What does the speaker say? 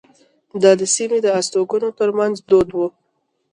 دا د سیمې د استوګنو ترمنځ دود وو.